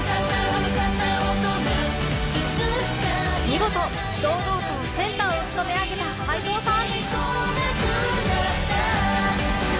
見事堂々とセンターを務め上げた齊藤さん